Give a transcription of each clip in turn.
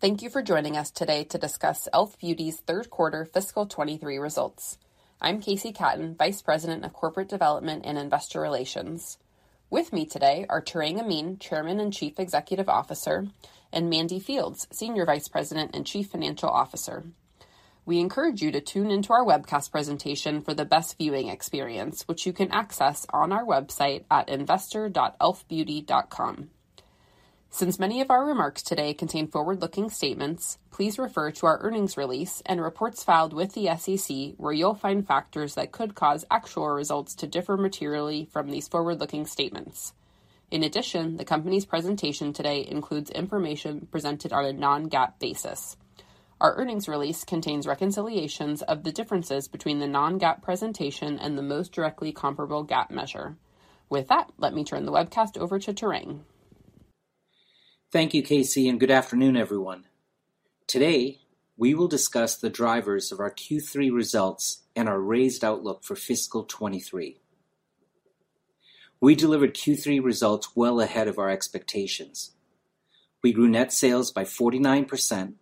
Thank you for joining us today to discuss e.l.f. Beauty's Q3 fiscal 2023 results. I'm KC Katten, Vice President of Corporate Development and Investor Relations. With me today are Tarang Amin, Chairman and Chief Executive Officer, and Mandy Fields, Senior Vice President and Chief Financial Officer. We encourage you to tune into our webcast presentation for the best viewing experience, which you can access on our website at investor.elfbeauty.com. Since many of our remarks today contain forward-looking statements, please refer to our earnings release and reports filed with the SEC, where you'll find factors that could cause actual results to differ materially from these forward-looking statements. In addition, the company's presentation today includes information presented on a non-GAAP basis. Our earnings release contains reconciliations of the differences between the non-GAAP presentation and the most directly comparable GAAP measure. Let me turn the webcast over to Tarang. Thank you, KC, good afternoon, everyone. Today, we will discuss the drivers of our Q3 results and our raised outlook for fiscal 2023. We delivered Q3 results well ahead of our expectations. We grew net sales by 49%,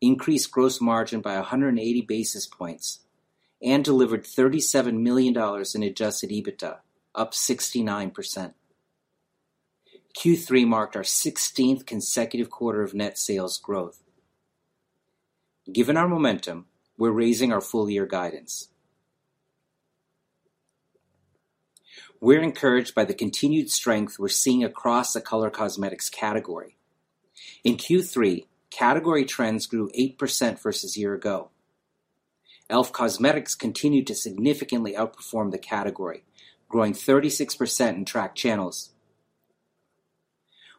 increased gross margin by 180 basis points, and delivered $37 million in adjusted EBITDA, up 69%. Q3 marked our 16th consecutive quarter of net sales growth. Given our momentum, we're raising our full year guidance. We're encouraged by the continued strength we're seeing across the color cosmetics category. In Q3, category trends grew 8% versus year ago. e.l.f. Cosmetics continued to significantly outperform the category, growing 36% in tracked channels.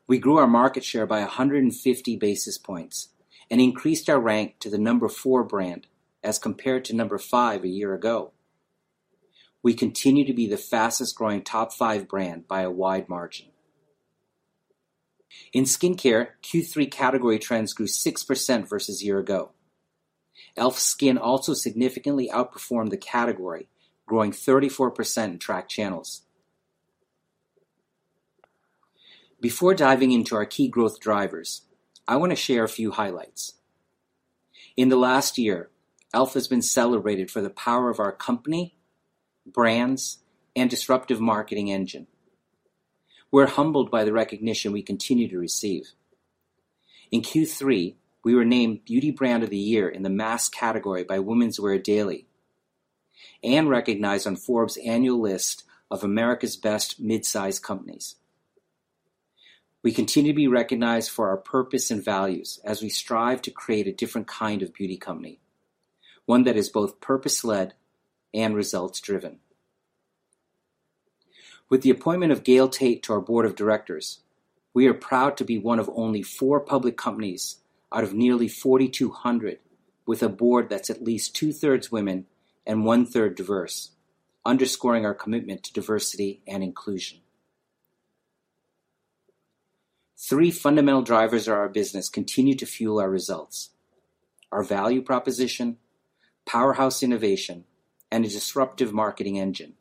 We grew our market share by 150 basis points and increased our rank to the number 4 brand as compared to number 5 a year ago. We continue to be the fastest growing top 5 brand by a wide margin. In skincare, Q3 category trends grew 6% versus year ago. e.l.f. SKIN also significantly outperformed the category, growing 34% in tracked channels. Before diving into our key growth drivers, I want to share a few highlights. In the last year, e.l.f. has been celebrated for the power of our company, brands, and disruptive marketing engine. We're humbled by the recognition we continue to receive. In Q3, we were named Beauty Brand of the Year in the mass category by Women's Wear Daily, and recognized on Forbes annual list of America's best mid-sized companies. We continue to be recognized for our purpose and values as we strive to create a different kind of beauty company, 1 that is both purpose-led and results-driven. With the appointment of Gayle Tait to our board of directors, we are proud to be 1 of only 4 public companies out of nearly 4,200 with a board that's at least 2/3 women and 1/3 diverse, underscoring our commitment to diversity and inclusion. 3 fundamental drivers of our business continue to fuel our results: our value proposition, powerhouse innovation, and a disruptive marketing engine.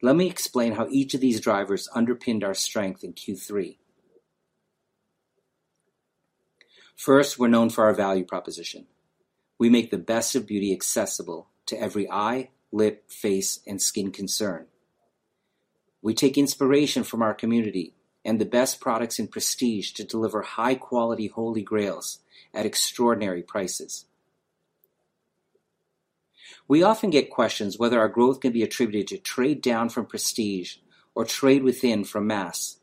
Let me explain how each of these drivers underpinned our strength in Q3. 1st, we're known for our value proposition. We make the best of beauty accessible to every eye, lip, face, and skin concern. We take inspiration from our community and the best products in prestige to deliver high-quality holy grails at extraordinary prices. We often get questions whether our growth can be attributed to trade down from prestige or trade within from mass.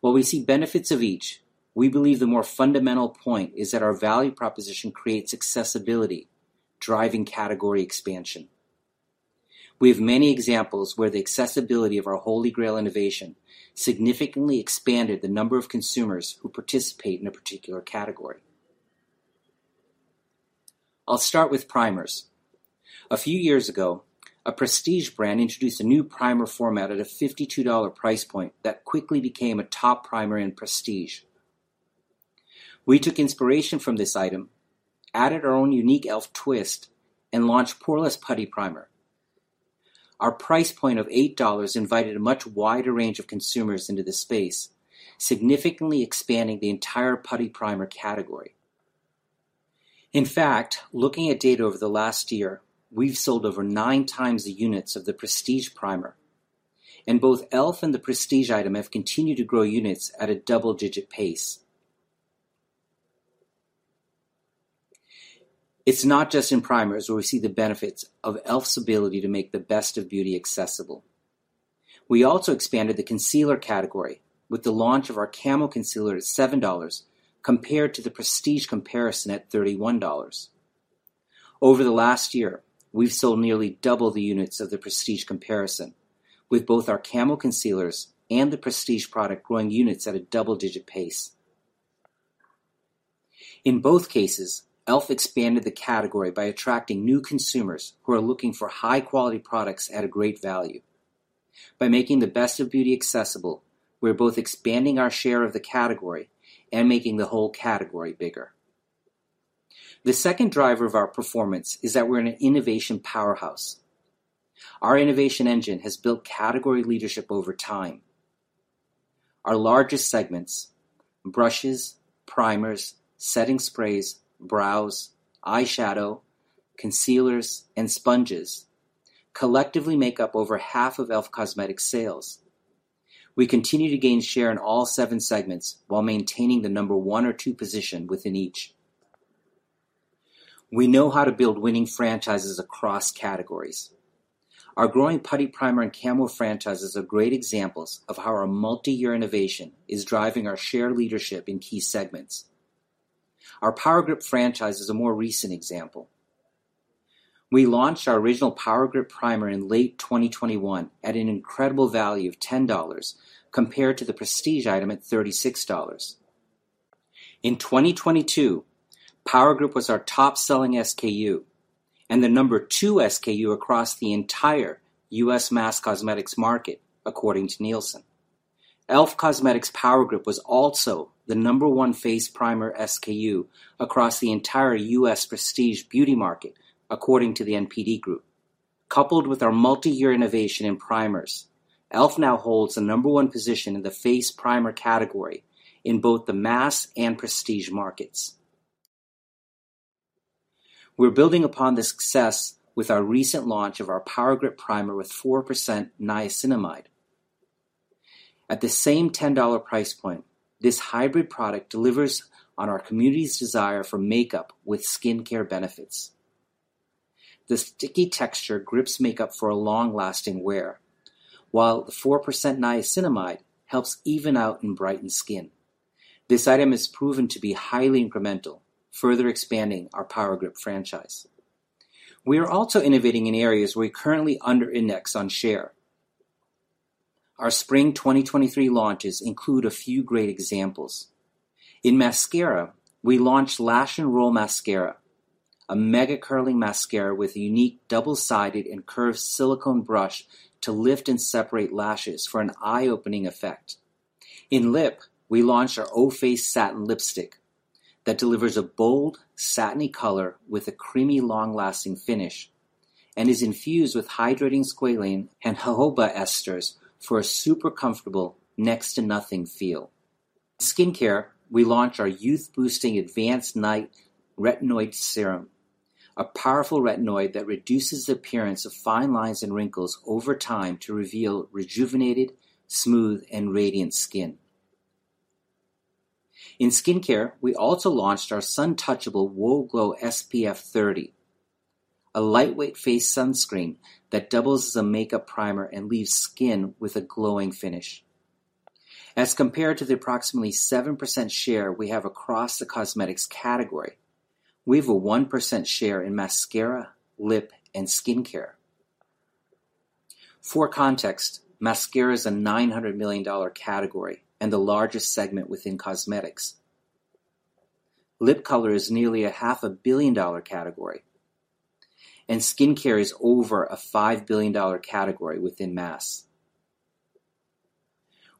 While we see benefits of each, we believe the more fundamental point is that our value proposition creates accessibility, driving category expansion. We have many examples where the accessibility of our holy grail innovation significantly expanded the number of consumers who participate in a particular category. I'll start with primers. A few years ago, a prestige brand introduced a new primer format at a $52 price point that quickly became a top primer in prestige. We took inspiration from this item, added our own unique e.l.f. twist, and launched Poreless Putty Primer. Our price point of $8 invited a much wider range of consumers into the space, significantly expanding the entire putty primer category. In fact, looking at data over the last year, we've sold over 9 times the units of the prestige primer, and both e.l.f. The prestige item have continued to grow units at a double-digit pace. It's not just in primers where we see the benefits of e.l.f.'s ability to make the best of beauty accessible. We also expanded the concealer category with the launch of our Camo Concealer at $7 compared to the prestige comparison at $31. Over the last year, we've sold nearly double the units of the prestige comparison with both our Camo Concealers and the prestige product growing units at a double-digit pace. In both cases, e.l.f. expanded the category by attracting new consumers who are looking for high quality products at a great value. By making the best of beauty accessible, we're both expanding our share of the category and making the whole category bigger. The 2nd driver of our performance is that we're an innovation powerhouse. Our innovation engine has built category leadership over time. Our largest segments, brushes, primers, setting sprays, brows, eye shadow, concealers, and sponges, collectively make up over half of e.l.f. Cosmetics sales. We continue to gain share in all 7 segments while maintaining the number 1 or 2 position within each. We know how to build winning franchises across categories. Our growing Putty Primer and Camo franchises are great examples of how our multi-year innovation is driving our share leadership in key segments. Our Power Grip franchise is a more recent example. We launched our original Power Grip Primer in late 2021 at an incredible value of $10 compared to the prestige item at $36. In 2022, Power Grip was our top-selling SKU and the number 2 SKU across the entire U.S. mass cosmetics market, according to Nielsen. e.l.f. Cosmetics Power Grip was also the number 1 face primer SKU across the entire U.S. prestige beauty market, according to the NPD Group. Coupled with our multi-year innovation in primers, e.l.f. now holds the number 1 position in the face primer category in both the mass and prestige markets. We're building upon this success with our recent launch of our Power Grip Primer with 4% niacinamide. At the same $10 price point, this hybrid product delivers on our community's desire for makeup with skincare benefits. The sticky texture grips makeup for a long-lasting wear, while the 4% niacinamide helps even out and brighten skin. This item is proven to be highly incremental, further expanding our Power Grip franchise. We are also innovating in areas where we currently under-index on share. Our spring 2023 launches include a few great examples. In mascara, we launched Lash 'N Roll Mascara, a mega curling mascara with a unique double-sided and curved silicone brush to lift and separate lashes for an eye-opening effect. In lip, we launched our O FACE Satin Lipstick that delivers a bold, satiny color with a creamy, long-lasting finish and is infused with hydrating squalane and jojoba esters for a super comfortable, next-to-nothing feel. Skincare, we launched our Youth Boosting Advanced Night Retinoid Serum, a powerful retinoid that reduces the appearance of fine lines and wrinkles over time to reveal rejuvenated, smooth, and radiant skin. In skincare, we also launched our Suntouchable Whoa Glow SPF 30, a lightweight face sunscreen that doubles as a makeup primer and leaves skin with a glowing finish. As compared to the approximately 7% share we have across the cosmetics category, we have a 1% share in mascara, lip, and skincare. For context, mascara is a $900 million category and the largest segment within cosmetics. Lip color is nearly a $500 million category, and skincare is over a $5 billion category within mass.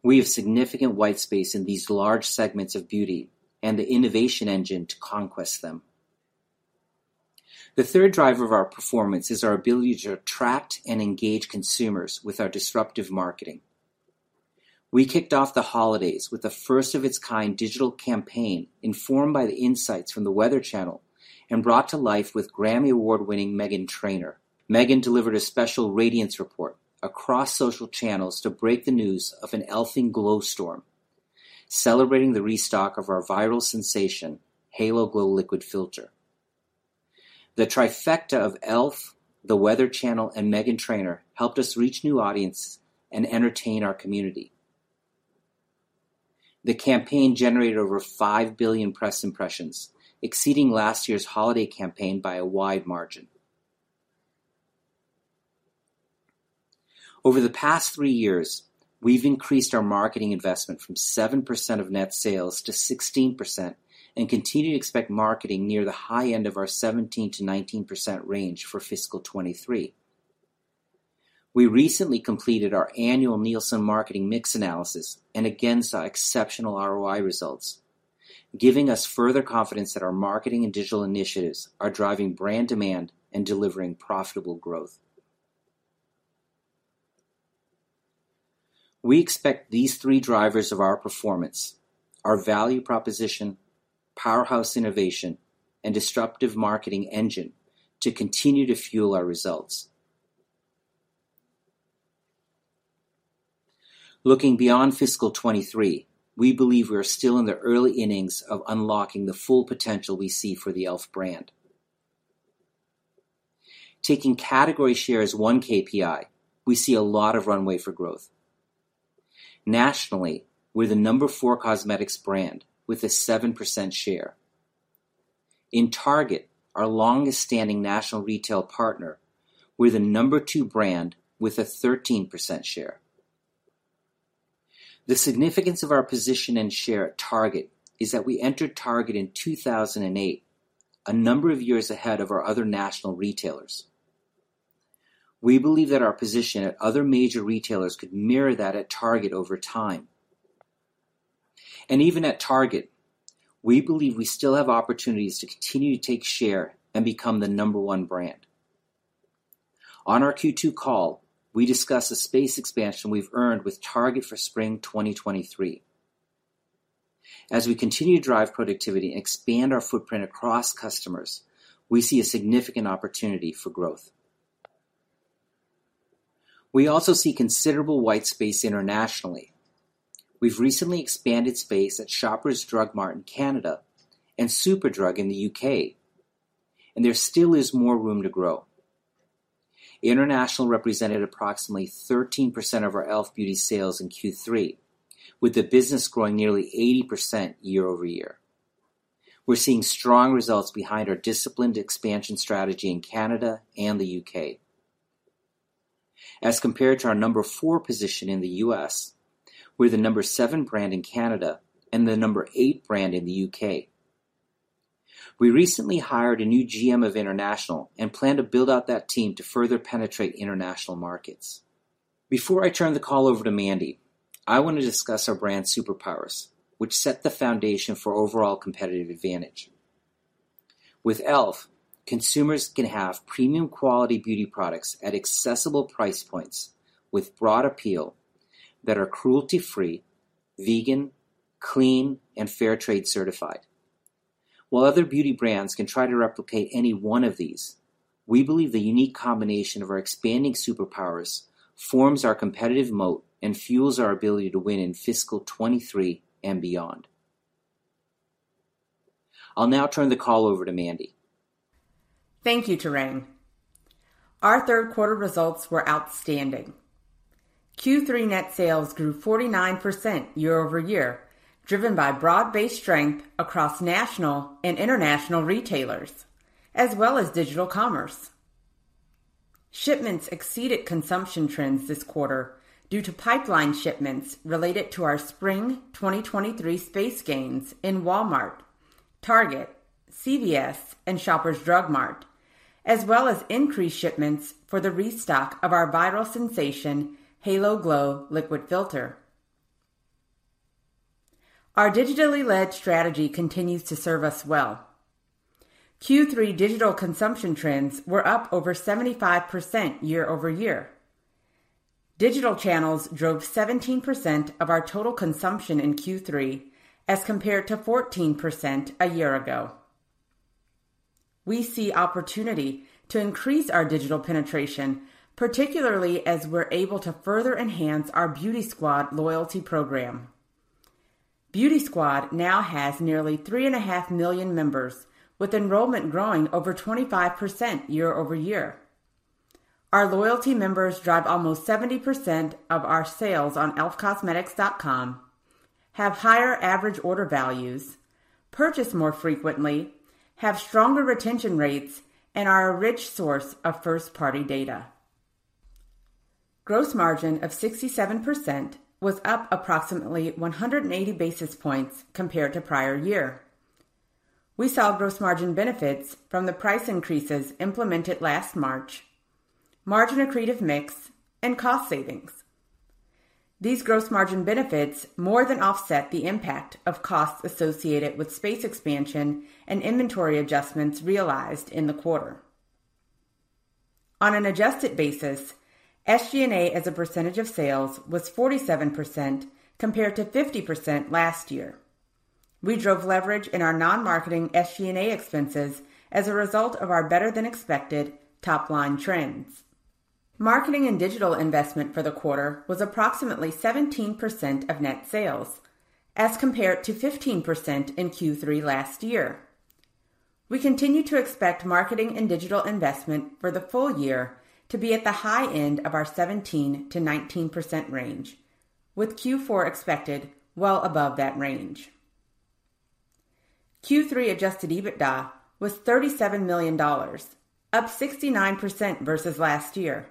We have significant white space in these large segments of beauty and the innovation engine to conquest them. The 3rd driver of our performance is our ability to attract and engage consumers with our disruptive marketing. We kicked off the holidays with a 1st of its kind digital campaign informed by the insights from The Weather Channel and brought to life with Grammy Award-winning Meghan Trainor. Meghan delivered a special radiance report across social channels to break the news of an e.l.f.ing glow storm, celebrating the restock of our viral sensation, Halo Glow Liquid Filter. The trifecta of e.l.f., The Weather Channel, and Meghan Trainor helped us reach new audiences and entertain our community. The campaign generated over 5 billion press impressions, exceeding last year's holiday campaign by a wide margin. Over the past 3 years, we've increased our marketing investment from 7% of net sales to 16% and continue to expect marketing near the high end of our 17%-19% range for fiscal 23. We recently completed our annual Nielsen marketing mix analysis and again saw exceptional ROI results, giving us further confidence that our marketing and digital initiatives are driving brand demand and delivering profitable growth. We expect these 3 drivers of our performance, our value proposition, powerhouse innovation, and disruptive marketing engine, to continue to fuel our results. Looking beyond fiscal 23, we believe we are still in the early innings of unlocking the full potential we see for the e.l.f. brand. Taking category share as 1 KPI, we see a lot of runway for growth. Nationally, we're the number 4 cosmetics brand with a 7% share. In Target, our longest-standing national retail partner, we're the number 2 brand with a 13% share. The significance of our position and share at Target is that we entered Target in 2008, a number of years ahead of our other national retailers. We believe that our position at other major retailers could mirror that at Target over time. Even at Target, we believe we still have opportunities to continue to take share and become the number 1 brand. On our Q2 call, we discussed the space expansion we've earned with Target for spring 2023. As we continue to drive productivity and expand our footprint across customers, we see a significant opportunity for growth. We also see considerable white space internationally. We've recently expanded space at Shoppers Drug Mart in Canada and Superdrug in the UK. There still is more room to grow. International represented approximately 13% of our e.l.f. Beauty sales in Q3, with the business growing nearly 80% year-over-year. We're seeing strong results behind our disciplined expansion strategy in Canada and the UK. Compared to our number 4 position in the US, we're the number 7 brand in Canada and the number 8 brand in the UK. We recently hired a new GM of international and plan to build out that team to further penetrate international markets. Before I turn the call over to Mandy, I want to discuss our brand superpowers, which set the foundation for overall competitive advantage. With e.l.f., consumers can have premium quality beauty products at accessible price points with broad appeal that are cruelty-free, vegan, clean, and fair trade certified. While other beauty brands can try to replicate any 1 of these, we believe the unique combination of our expanding superpowers forms our competitive moat and fuels our ability to win in fiscal 2023 and beyond. I'll now turn the call over to Mandy. Thank you, Tarang. Our Q3 results were outstanding. Q3 net sales grew 49% year-over-year, driven by broad-based strength across national and international retailers as well as digital commerce. Shipments exceeded consumption trends this quarter due to pipeline shipments related to our spring 2023 space gains in Walmart, Target, CVS, and Shoppers Drug Mart, as well as increased shipments for the restock of our viral sensation Halo Glow Liquid Filter. Our digitally-led strategy continues to serve us well. Q3 digital consumption trends were up over 75% year-over-year. Digital channels drove 17% of our total consumption in Q3 as compared to 14% a year ago. We see opportunity to increase our digital penetration, particularly as we're able to further enhance our Beauty Squad loyalty program. Beauty Squad now has nearly 3.5 million members with enrollment growing over 25% year-over-year. Our loyalty members drive almost 70% of our sales on elfcosmetics.com, have higher average order values, purchase more frequently, have stronger retention rates, and are a rich source of first-party data. Gross margin of 67% was up approximately 180 basis points compared to prior year. We saw gross margin benefits from the price increases implemented last March, margin accretive mix, and cost savings. These gross margin benefits more than offset the impact of costs associated with space expansion and inventory adjustments realized in the quarter. On an adjusted basis, SG&A as a percentage of sales was 47% compared to 50% last year. We drove leverage in our non-marketing SG&A expenses as a result of our better-than-expected top-line trends. Marketing and digital investment for the quarter was approximately 17% of net sales as compared to 15% in Q3 last year. We continue to expect marketing and digital investment for the full year to be at the high end of our 17%-19% range with Q4 expected well above that range. Q3 adjusted EBITDA was $37 million, up 69% versus last year,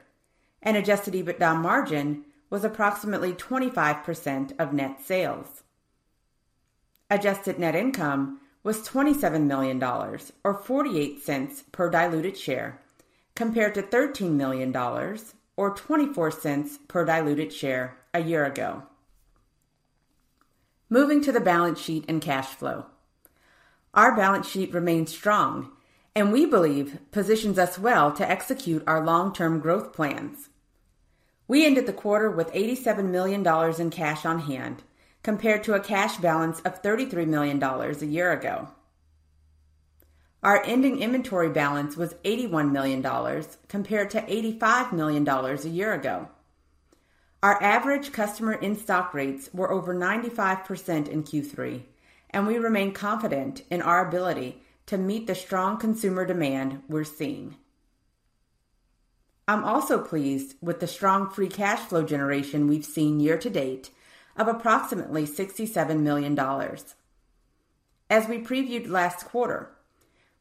and adjusted EBITDA margin was approximately 25% of net sales. Adjusted net income was $27 million or $0.48 per diluted share compared to $13 million or $0.24 per diluted share a year ago. Moving to the balance sheet and cash flow, our balance sheet remains strong and we believe positions us well to execute our long-term growth plans. We ended the quarter with $87 million in cash on hand compared to a cash balance of $33 million a year ago. Our ending inventory balance was $81 million compared to $85 million a year ago. Our average customer in-stock rates were over 95% in Q3. We remain confident in our ability to meet the strong consumer demand we're seeing. I'm also pleased with the strong free cash flow generation we've seen year to date of approximately $67 million. As we previewed last quarter,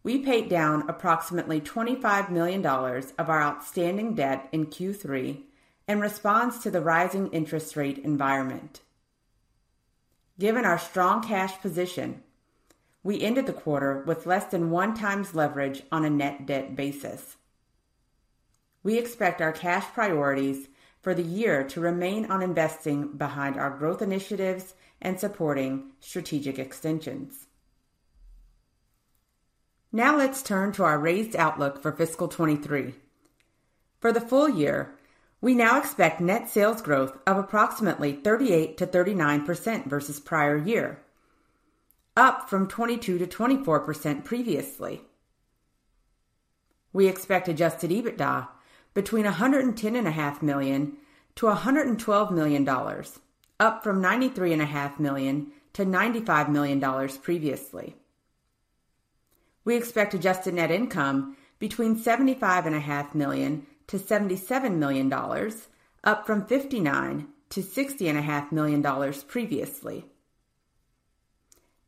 we paid down approximately $25 million of our outstanding debt in Q3 in response to the rising interest rate environment. Given our strong cash position, we ended the quarter with less than 1x leverage on a net debt basis. We expect our cash priorities for the year to remain on investing behind our growth initiatives and supporting strategic extensions. Let's turn to our raised outlook for fiscal 23. For the full year, we now expect net sales growth of approximately 38%-39% versus prior year, up from 22%-24% previously. We expect adjusted EBITDA between $110.5 million-$112 million, up from $93.5 million-$95 million previously. We expect adjusted net income between $75.5 million-$77 million, up from $59 million-$60.5 million previously,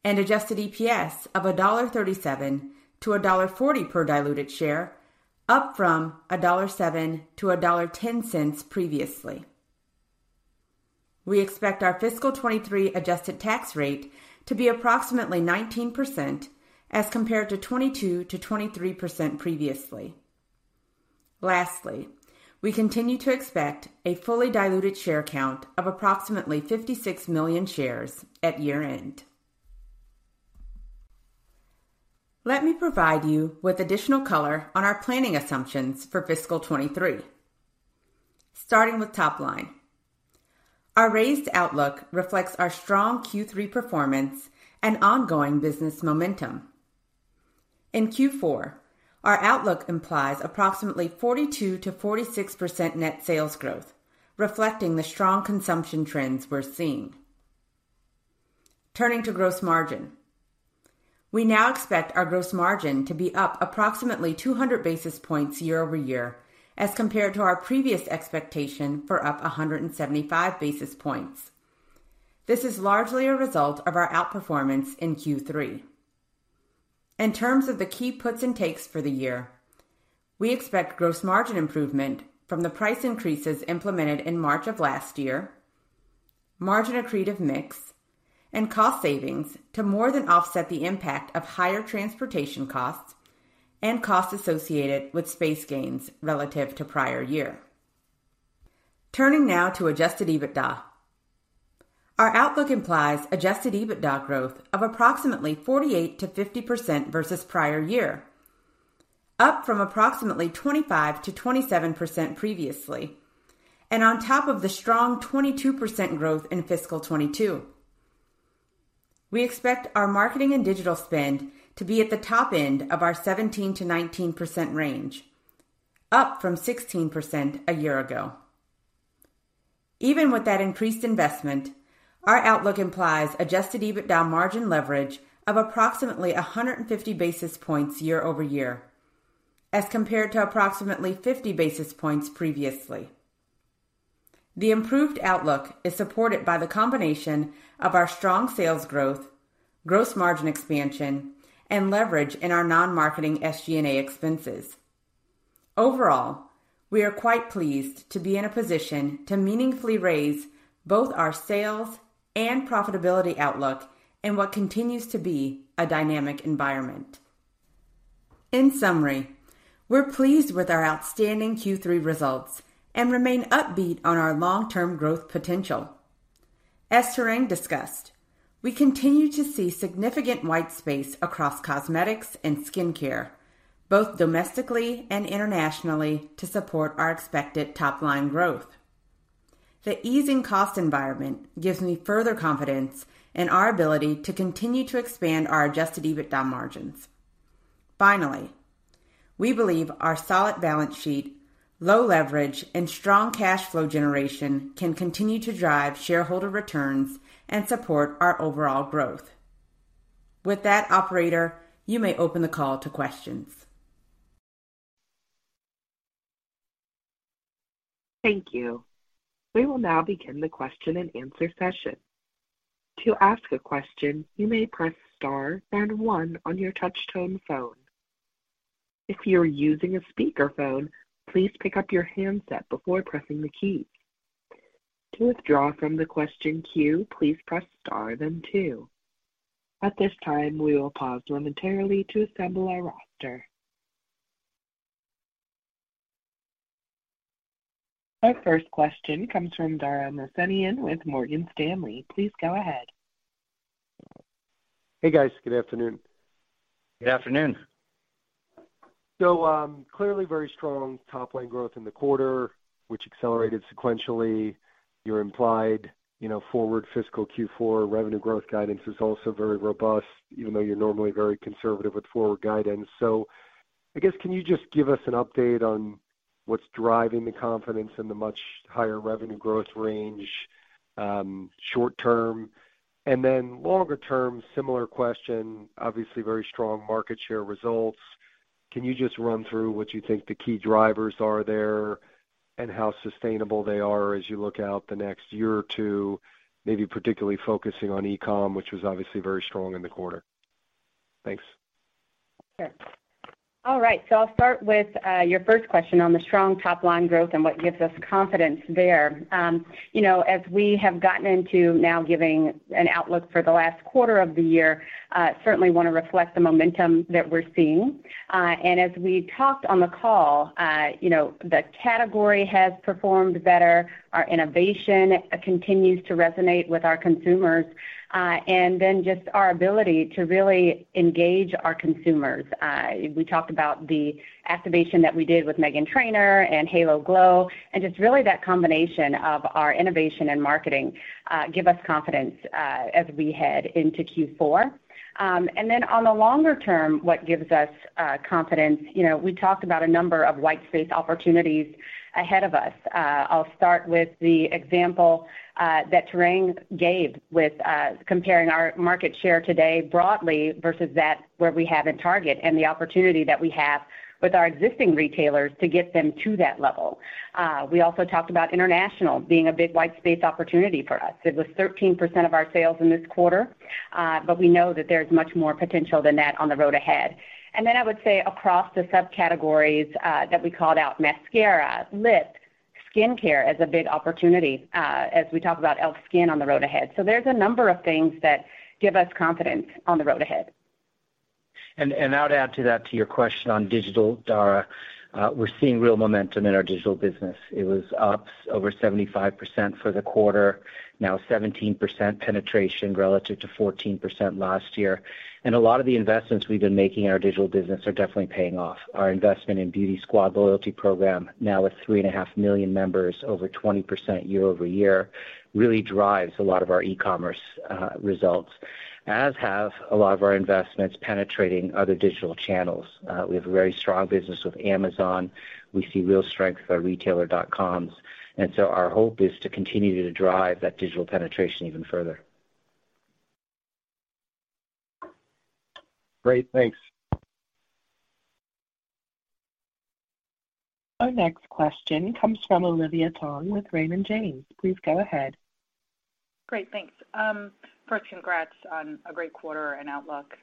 adjusted EPS of $1.37-$1.40 per diluted share, up from $1.07-$1.10 previously. We expect our fiscal 23 adjusted tax rate to be approximately 19% as compared to 22%-23% previously. We continue to expect a fully diluted share count of approximately 56 million shares at year-end. Let me provide you with additional color on our planning assumptions for fiscal 23. Starting with top line. Our raised outlook reflects our strong Q3 performance and ongoing business momentum. In Q4, our outlook implies approximately 42%-46% net sales growth, reflecting the strong consumption trends we're seeing. Turning to gross margin. We now expect our gross margin to be up approximately 200 basis points year-over-year as compared to our previous expectation for up 175 basis points. This is largely a result of our outperformance in Q3. In terms of the key puts and takes for the year, we expect gross margin improvement from the price increases implemented in March of last year, margin accretive mix, and cost savings to more than offset the impact of higher transportation costs and costs associated with space gains relative to prior year. Turning now to adjusted EBITDA. Our outlook implies adjusted EBITDA growth of approximately 48%-50% versus prior year, up from approximately 25%-27% previously and on top of the strong 22% growth in fiscal 2022. We expect our marketing and digital spend to be at the top end of our 17%-19% range, up from 16% a year ago. Even with that increased investment, our outlook implies adjusted EBITDA margin leverage of approximately 150 basis points year-over-year as compared to approximately 50 basis points previously. The improved outlook is supported by the combination of our strong sales growth, gross margin expansion, and leverage in our non-marketing SG&A expenses. We are quite pleased to be in a position to meaningfully raise both our sales and profitability outlook in what continues to be a dynamic environment. We're pleased with our outstanding Q3 results and remain upbeat on our long-term growth potential. As Tarang discussed, we continue to see significant white space across cosmetics and skincare, both domestically and internationally, to support our expected top-line growth. The easing cost environment gives me further confidence in our ability to continue to expand our adjusted EBITDA margins. We believe our solid balance sheet, low leverage, and strong cash flow generation can continue to drive shareholder returns and support our overall growth. Operator, you may open the call to questions. Thank you. We will now begin the question and answer session. To ask a question, you may press * then 1 on your touchtone phone. If you are using a speakerphone, please pick up your handset before pressing the key. To withdraw from the question queue, please press * then 2. At this time, we will pause momentarily to assemble our roster. Our 1st question comes from Dara Mohsenian with Morgan Stanley. Please go ahead. Hey, guys. Good afternoon. Good afternoon. Clearly very strong top-line growth in the quarter, which accelerated sequentially. Your implied, you know, forward fiscal Q4 revenue growth guidance is also very robust, even though you're normally very conservative with forward guidance. I guess, can you just give us an update on what's driving the confidence in the much higher revenue growth range, short term? Longer term, similar question, obviously very strong market share results. Can you just run through what you think the key drivers are there and how sustainable they are as you look out the next year or 2? Maybe particularly focusing on e-com, which was obviously very strong in the quarter. Thanks. Sure. All right, I'll start with your 1st question on the strong top-line growth and what gives us confidence there. You know, as we have gotten into now giving an outlook for the last quarter of the year, certainly want to reflect the momentum that we're seeing. As we talked on the call, you know, the category has performed better. Our innovation continues to resonate with our consumers, just our ability to really engage our consumers. We talked about the activation that we did with Meghan Trainor and Halo Glow, just really that combination of our innovation and marketing, give us confidence as we head into Q4. On the longer term, what gives us confidence, you know, we talked about a number of white space opportunities ahead of us. I'll start with the example that Tarang gave with comparing our market share today broadly versus that where we have at Target and the opportunity that we have with our existing retailers to get them to that level. We also talked about international being a big white space opportunity for us. It was 13% of our sales in this quarter, but we know that there's much more potential than that on the road ahead. Then I would say across the subcategories that we called out mascara, lip, skincare as a big opportunity as we talk about e.l.f. SKIN on the road ahead. There's a number of things that give us confidence on the road ahead. I would add to that, to your question on digital, Dara, we're seeing real momentum in our digital business. It was up over 75% for the quarter, now 17% penetration relative to 14% last year. A lot of the investments we've been making in our digital business are definitely paying off. Our investment in Beauty Squad loyalty program, now with 3.5 million members, over 20% year-over-year, really drives a lot of our e-commerce results, as have a lot of our investments penetrating other digital channels. We have a very strong business with Amazon. We see real strength with our retailer dot coms. So our hope is to continue to drive that digital penetration even further. Great. Thanks. Our next question comes from Olivia Tong with Raymond James. Please go ahead. Great. Thanks. 1st, congrats on a great quarter and outlook.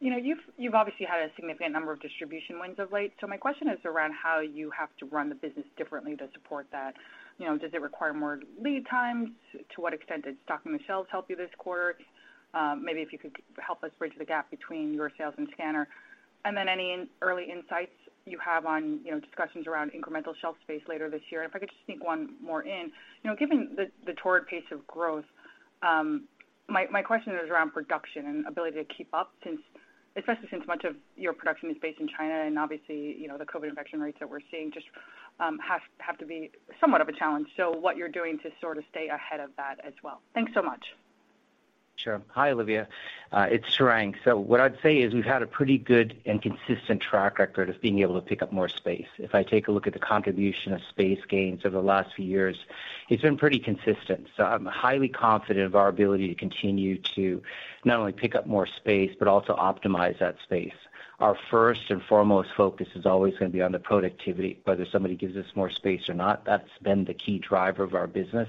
You know, you've obviously had a significant number of distribution wins of late, so my question is around how you have to run the business differently to support that. You know, does it require more lead times? To what extent did stocking the shelves help you this quarter? Maybe if you could help us bridge the gap between your sales and scanner. Then any early insights you have on, you know, discussions around incremental shelf space later this year. If I could just sneak 1 more in. You know, given the torrid pace of growth, my question is around production and ability to keep up especially since much of your production is based in China, and obviously, you know, the COVID infection rates that we're seeing just have to be somewhat of a challenge. What you're doing to sort of stay ahead of that as well. Thanks so much. Sure. Hi, Olivia. It's Tarang. What I'd say is we've had a pretty good and consistent track record of being able to pick up more space. If I take a look at the contribution of space gains over the last few years, it's been pretty consistent. I'm highly confident of our ability to continue to not only pick up more space, but also optimize that space. Our first and foremost focus is always going to be on the productivity, whether somebody gives us more space or not. That's been the key driver of our business,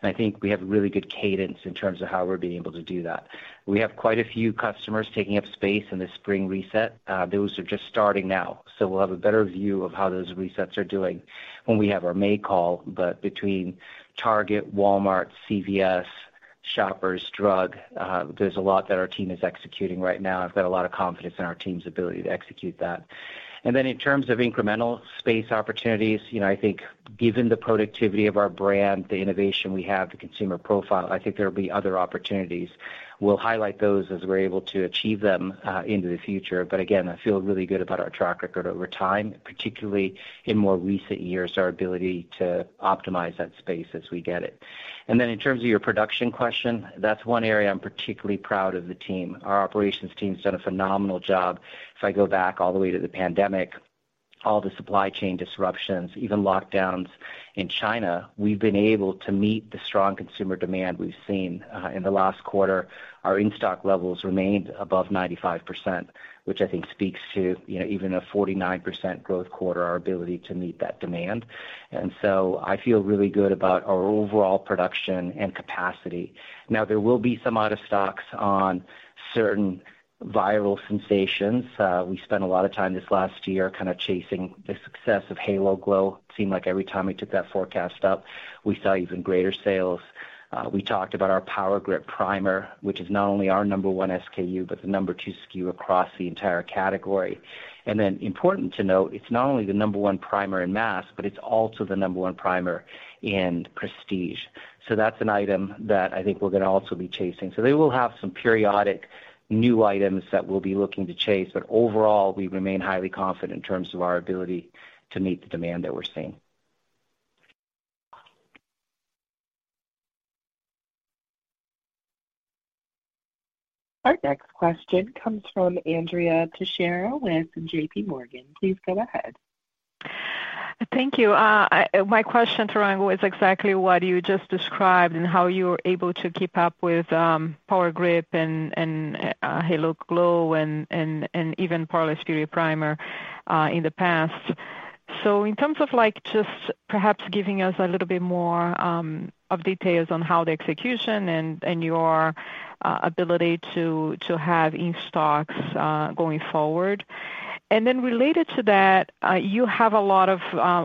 and I think we have really good cadence in terms of how we're being able to do that. We have quite a few customers taking up space in the spring reset. Those are just starting now, we'll have a better view of how those resets are doing when we have our May call. Between Target, Walmart, CVS, Shoppers Drug, there's a lot that our team is executing right now. I've got a lot of confidence in our team's ability to execute that. In terms of incremental space opportunities, you know, I think given the productivity of our brand, the innovation we have, the consumer profile, I think there'll be other opportunities. We'll highlight those as we're able to achieve them into the future. Again, I feel really good about our track record over time, particularly in more recent years, our ability to optimize that space as we get it. In terms of your production question, that's 1 area I'm particularly proud of the team. Our operations team has done a phenomenal job. If I go back all the way to the pandemic, all the supply chain disruptions, even lockdowns in China, we've been able to meet the strong consumer demand we've seen in the last quarter. Our in-stock levels remained above 95%, which I think speaks to, you know, even a 49% growth quarter, our ability to meet that demand. I feel really good about our overall production and capacity. There will be some out-of-stocks on certain viral sensations. We spent a lot of time this last year kind of chasing the success of Halo Glow. Seemed like every time we took that forecast up, we saw even greater sales. We talked about our Power Grip Primer, which is not only our number 1 SKU, but the number 2 SKU across the entire category. Important to note, it's not only the number 1 primer in mass, but it's also the number 1 primer in prestige. That's an item that I think we're going to also be chasing. They will have some periodic new items that we'll be looking to chase, but overall, we remain highly confident in terms of our ability to meet the demand that we're seeing. Our next question comes from Andrea Teixeira with JPMorgan. Please go ahead. Thank you. My question, Tarang, was exactly what you just described and how you were able to keep up with Power Grip and Halo Glow and even Poreless Putty Primer in the past. So in terms of like just perhaps giving us a little bit more of details on how the execution and your ability to have in-stocks going forward. Related to that, you have a lot of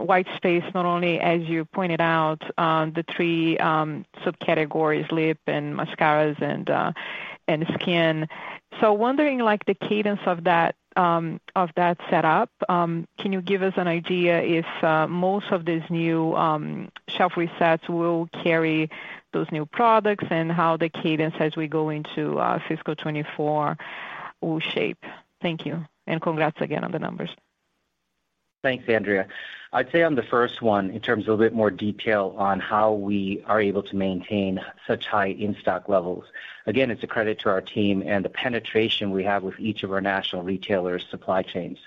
white space, not only as you pointed out, the 3 subcategories, lip and mascaras and skin. Wondering like the cadence of that set up, can you give us an idea if most of these new shelf resets will carry those new products and how the cadence as we go into fiscal 2024 will shape? Thank you, and congrats again on the numbers. Thanks, Andrea. I'd say on the first one, in terms of a bit more detail on how we are able to maintain such high in-stock levels. Again, it's a credit to our team and the penetration we have with each of our national retailers' supply chains.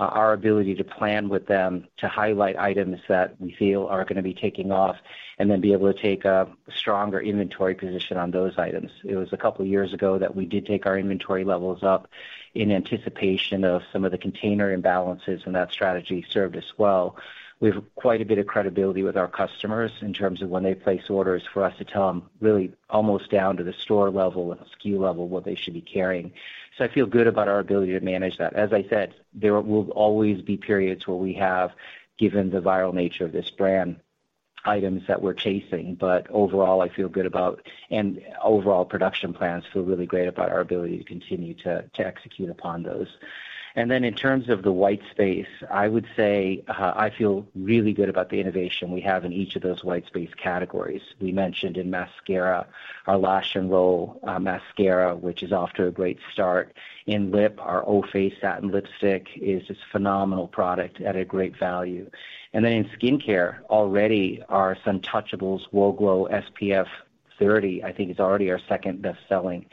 Our ability to plan with them, to highlight items that we feel are going to be taking off, and then be able to take a stronger inventory position on those items. It was a couple of years ago that we did take our inventory levels up in anticipation of some of the container imbalances, and that strategy served us well. We have quite a bit of credibility with our customers in terms of when they place orders for us to tell them really almost down to the store level and SKU level, what they should be carrying. I feel good about our ability to manage that. As I said, there will always be periods where we have, given the viral nature of this brand, items that we're chasing. Overall, I feel good about and overall production plans feel really great about our ability to continue to execute upon those. In terms of the white space, I would say, I feel really good about the innovation we have in each of those white space categories. We mentioned in mascara, our Lash 'N Roll Mascara, which is off to a great start. In lip, our O FACE Satin Lipstick is this phenomenal product at a great value. In skincare, already our Suntouchable! Whoa Glow SPF 30, I think, is already our 2nd best-selling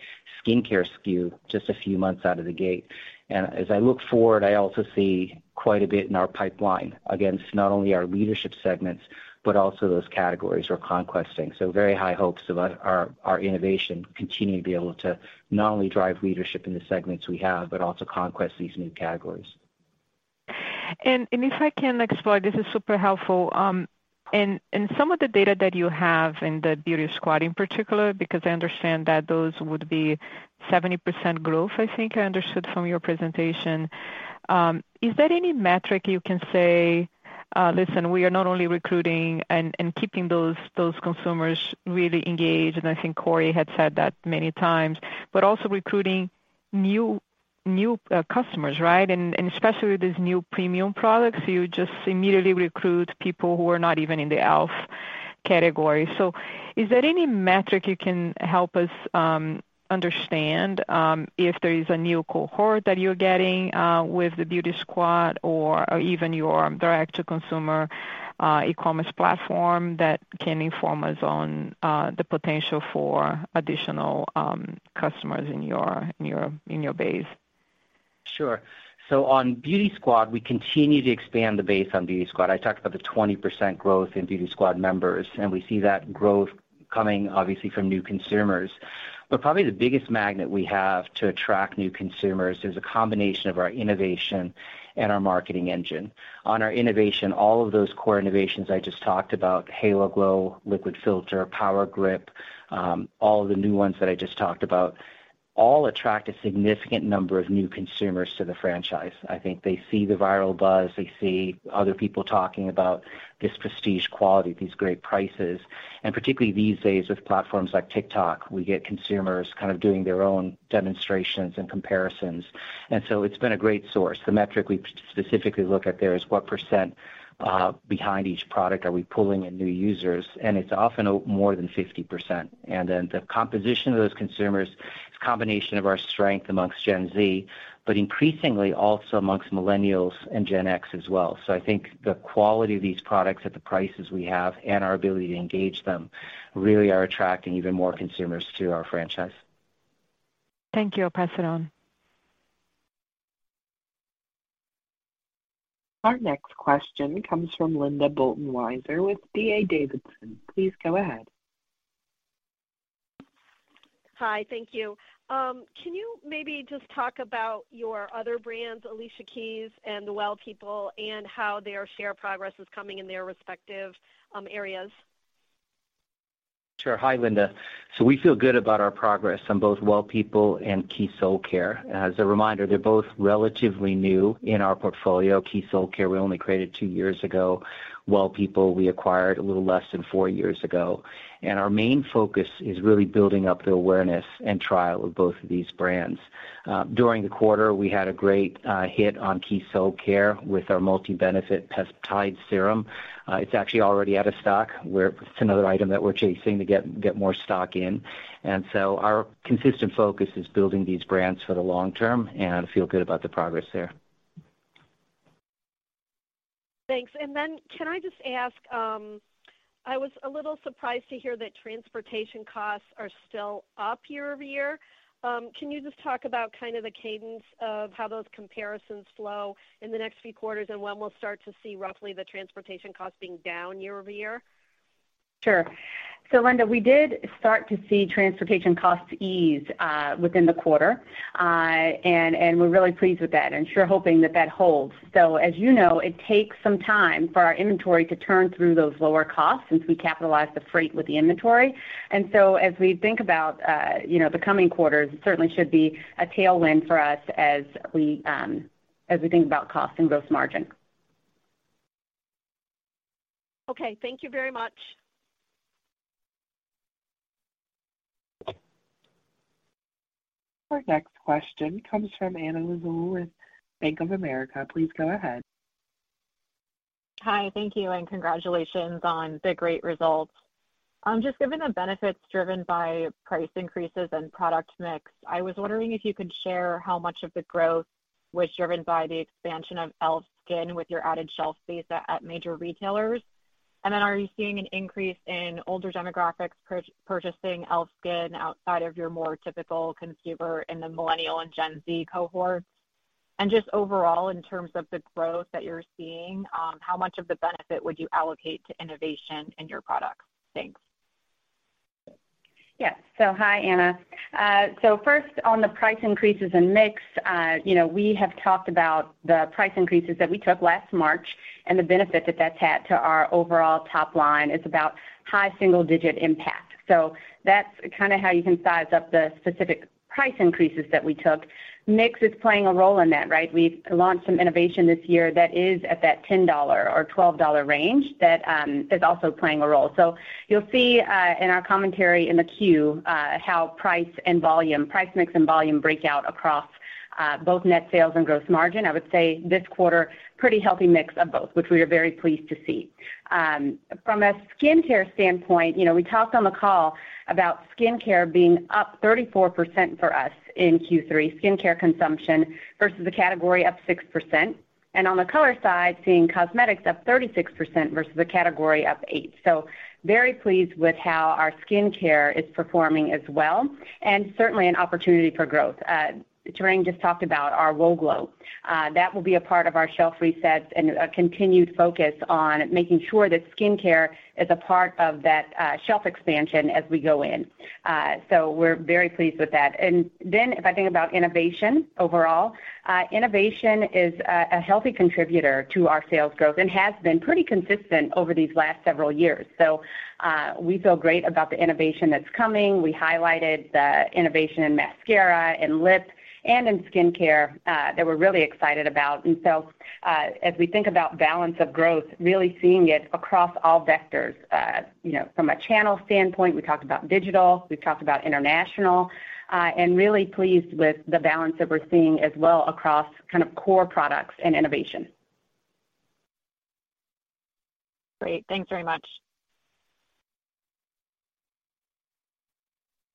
skincare SKU just a few months out of the gate. As I look forward, I also see quite a bit in our pipeline against not only our leadership segments, but also those categories we're conquesting. Very high hopes about our innovation continuing to be able to not only drive leadership in the segments we have, but also conquest these new categories. If I can explore, this is super helpful. Some of the data that you have in the Beauty Squad in particular, because I understand that those would be 70% growth, I think I understood from your presentation. Is there any metric you can say, listen, we are not only recruiting and keeping those consumers really engaged, and I think Kory had said that many times, but also recruiting new customers, right? Especially with these new premium products, you just immediately recruit people who are not even in the e.l.f. category. Is there any metric you can help us understand if there is a new cohort that you're getting with the Beauty Squad or even your direct-to-consumer e-commerce platform that can inform us on the potential for additional customers in your base? Sure. On Beauty Squad, we continue to expand the base on Beauty Squad. I talked about the 20% growth in Beauty Squad members, and we see that growth coming obviously from new consumers. Probably the biggest magnet we have to attract new consumers is a combination of our innovation and our marketing engine. On our innovation, all of those core innovations I just talked about, Halo Glow, Liquid Filter, Power Grip, all of the new ones that I just talked about, all attract a significant number of new consumers to the franchise. I think they see the viral buzz, they see other people talking about this prestige quality, these great prices, and particularly these days with platforms like TikTok, we get consumers kind of doing their own demonstrations and comparisons. It's been a great source. The metric we specifically look at there is what % behind each product are we pulling in new users, and it's often more than 50%. The composition of those consumers, it's a combination of our strength amongst Gen Z, but increasingly also amongst millennials and Gen X as well. I think the quality of these products at the prices we have and our ability to engage them really are attracting even more consumers to our franchise. Thank you. I'll pass it on. Our next question comes from Linda Bolton Weiser with D.A. Davidson. Please go ahead. Hi. Thank you. Can you maybe just talk about your other brands, Alicia Keys and W3LL PEOPLE, and how their share progress is coming in their respective areas? Sure. Hi, Linda. We feel good about our progress on both W3ll PEOPLE and Keys Soulcare. As a reminder, they're both relatively new in our portfolio. Keys Soulcare we only created 2 years ago. W3ll PEOPLE we acquired a little less than 4 years ago, and our main focus is really building up the awareness and trial of both of these brands. During the quarter, we had a great hit on Keys Soulcare with our Multi-Benefit Peptide Serum. It's actually already out of stock. It's another item that we're chasing to get more stock in. Our consistent focus is building these brands for the long term, and I feel good about the progress there. Thanks. Can I just ask, I was a little surprised to hear that transportation costs are still up year-over-year. Can you just talk about kind of the cadence of how those comparisons flow in the next few quarters and when we'll start to see roughly the transportation cost being down year-over-year? Sure. Linda, we did start to see transportation costs ease within the quarter. We're really pleased with that and sure hoping that that holds. As you know, it takes some time for our inventory to turn through those lower costs since we capitalize the freight with the inventory. As we think about, you know, the coming quarters, it certainly should be a tailwind for us as we think about cost and gross margin. Okay, thank you very much. Our next question comes from Anna Lizzul with Bank of America. Please go ahead. Hi, thank you, and congratulations on the great results. Just given the benefits driven by price increases and product mix, I was wondering if you could share how much of the growth was driven by the expansion of e.l.f. SKIN with your added shelf space at major retailers. Then are you seeing an increase in older demographics purchasing e.l.f. SKIN outside of your more typical consumer in the Millennial and Gen Z cohorts? Just overall, in terms of the growth that you're seeing, how much of the benefit would you allocate to innovation in your products? Thanks. Yes. Hi, Anna. First on the price increases and mix, you know, we have talked about the price increases that we took last March and the benefit that that's had to our overall top line. It's about high single-digit impact. That's kinda how you can size up the specific price increases that we took. Mix is playing a role in that, right? We've launched some innovation this year that is at that $10 or $12 range that is also playing a role. You'll see in our commentary in the Q, how price and volume, price mix and volume break out across both net sales and gross margin. I would say this quarter, pretty healthy mix of both, which we are very pleased to see. From a skincare standpoint, you know, we talked on the call about skincare being up 34% for us in Q3, skincare consumption versus a category up 6%. On the color side, seeing cosmetics up 36% versus a category up 8%. Very pleased with how our skincare is performing as well, and certainly an opportunity for growth. Tarang just talked about our Whoa Glow. That will be a part of our shelf resets and a continued focus on making sure that skincare is a part of that shelf expansion as we go in. We're very pleased with that. Then if I think about innovation overall, innovation is a healthy contributor to our sales growth and has been pretty consistent over these last several years. We feel great about the innovation that's coming. We highlighted the innovation in mascara and lips and in skincare that we're really excited about. As we think about balance of growth, really seeing it across all vectors. You know, from a channel standpoint, we talked about digital, we've talked about international, and really pleased with the balance that we're seeing as well across kind of core products and innovation. Great. Thanks very much.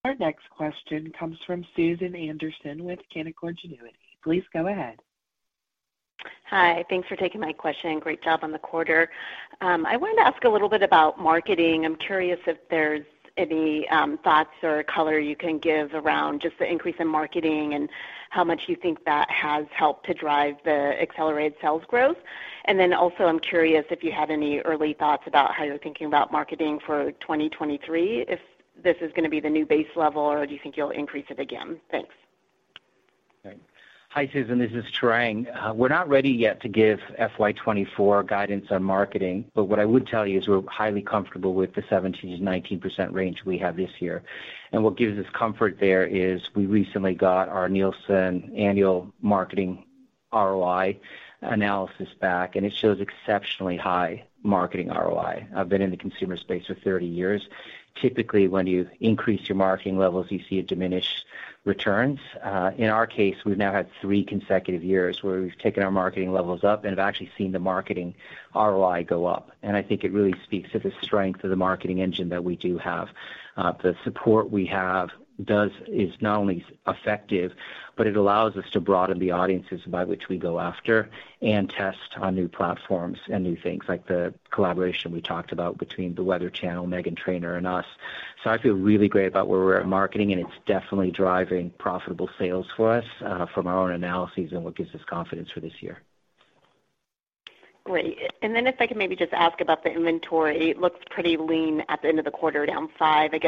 Our next question comes from Susan Anderson with Canaccord Genuity. Please go ahead. Hi. Thanks for taking my question. Great job on the quarter. I wanted to ask a little bit about marketing. I'm curious if there's any thoughts or color you can give around just the increase in marketing and how much you think that has helped to drive the accelerated sales growth. Also, I'm curious if you had any early thoughts about how you're thinking about marketing for 2023, if this is gonna be the new base level, or do you think you'll increase it again? Thanks. Okay. Hi, Susan, this is Tarang. We're not ready yet to give FY 2024 guidance on marketing, but what I would tell you is we're highly comfortable with the 17%-19% range we have this year. What gives us comfort there is we recently got our Nielsen annual marketing ROI analysis back, and it shows exceptionally high marketing ROI. I've been in the consumer space for 30 years. Typically, when you increase your marketing levels, you see a diminished returns. In our case, we've now had 3 consecutive years where we've taken our marketing levels up and have actually seen the marketing ROI go up. I think it really speaks to the strength of the marketing engine that we do have. The support we have is not only effective, but it allows us to broaden the audiences by which we go after and test on new platforms and new things, like the collaboration we talked about between The Weather Channel, Meghan Trainor, and us. I feel really great about where we're at in marketing, and it's definitely driving profitable sales for us, from our own analyses and what gives us confidence for this year. Great. If I could maybe just ask about the inventory. It looks pretty lean at the end of the quarter, down 5. I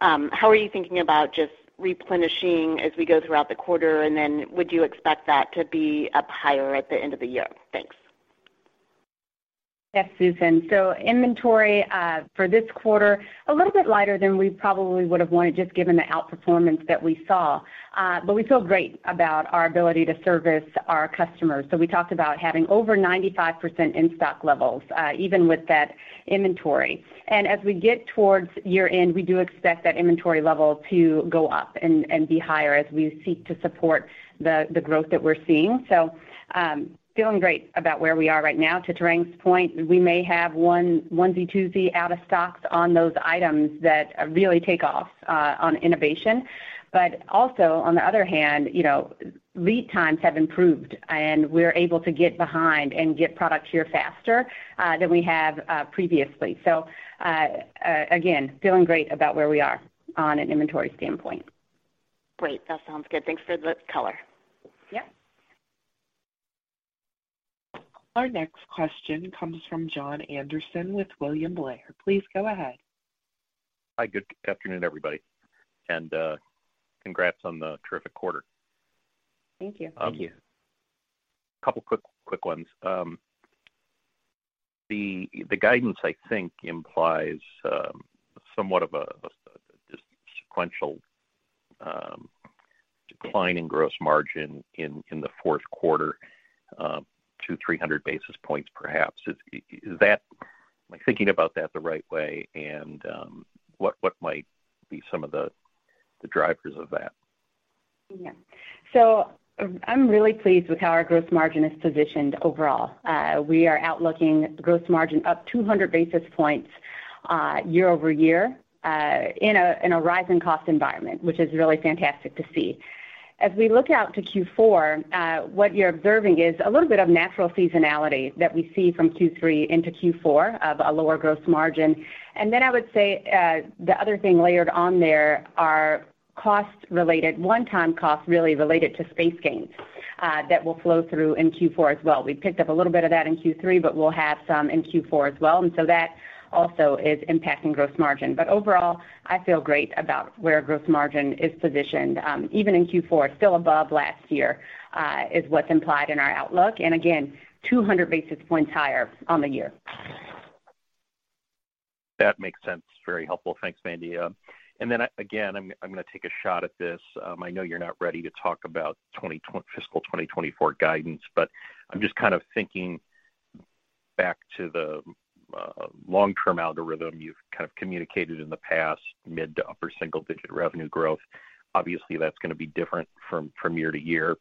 guess, how are you thinking about just replenishing as we go throughout the quarter? Would you expect that to be up higher at the end of the year? Thanks. Yes, Susan. Inventory for this quarter, a little bit lighter than we probably would have wanted, just given the outperformance that we saw. We feel great about our ability to service our customers. We talked about having over 95% in-stock levels, even with that inventory. As we get towards year-end, we do expect that inventory level to go up and be higher as we seek to support the growth that we're seeing. Feeling great about where we are right now. To Tarang's point, we may have onesie-twosie out of stocks on those items that really take off on innovation. Also, on the other hand, you know, lead times have improved, and we're able to get behind and get product here faster than we have previously. Again, feeling great about where we are on an inventory standpoint. Great. That sounds good. Thanks for the color. Yep. Our next question comes from Jon Andersen with William Blair. Please go ahead. Hi, good afternoon, everybody, and, congrats on the terrific quarter. Thank you. Thank you. A couple quick ones. The guidance I think implies somewhat of a just sequential decline in gross margin in the Q4, 200-300 basis points perhaps. Is that? Am I thinking about that the right way and what might be some of the drivers of that? Yeah. I'm really pleased with how our gross margin is positioned overall. We are outlooking gross margin up 200 basis points year-over-year in a rising cost environment, which is really fantastic to see. As we look out to Q4, what you're observing is a little bit of natural seasonality that we see from Q3 into Q4 of a lower gross margin. I would say, the other thing layered on there are cost related, one-time costs really related to space gains that will flow through in Q4 as well. We picked up a little bit of that in Q3, but we'll have some in Q4 as well. That also is impacting gross margin. Overall, I feel great about where gross margin is positioned, even in Q4, still above last year, is what's implied in our outlook. Again, 200 basis points higher on the year. That makes sense. Very helpful. Thanks, Mandy. Then again, I'm gonna take a shot at this. I know you're not ready to talk about fiscal 2024 guidance, but I'm just kind of thinking back to the long-term algorithm you've kind of communicated in the past, mid to upper single-digit revenue growth. Obviously, that's gonna be different from year to year.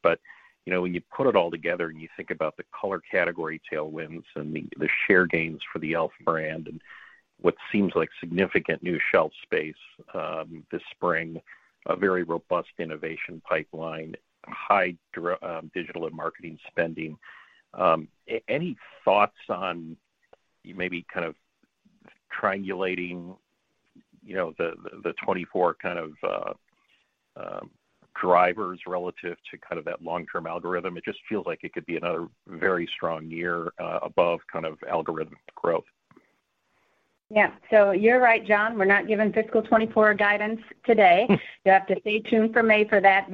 You know, when you put it all together and you think about the color category tailwinds and the share gains for the e.l.f. brand and what seems like significant new shelf space, this spring, a very robust innovation pipeline, high digital and marketing spending, any thoughts on maybe kind of triangulating, you know, the 24 kind of drivers relative to kind of that long-term algorithm? It just feels like it could be another very strong year, above kind of algorithmic growth. You're right, Jon. We're not giving fiscal 24 guidance today. You have to stay tuned for May for that.